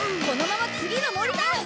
このまま次の森だ！